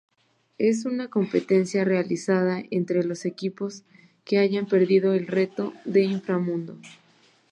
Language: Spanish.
Es una competencia realizada entre los equipos que hayan perdido el "Reto de Inframundo".